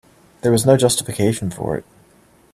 There was no justification for it.